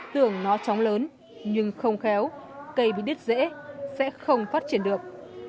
tưởng nó tróng lớn nhưng không khéo cây bị đứt rễ sẽ không phát triển được